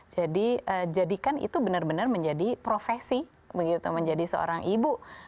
jadi jadikan itu benar benar menjadi profesi begitu menjadi seorang ibu